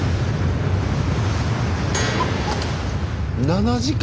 ７時間！